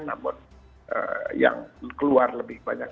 namun yang keluar lebih banyak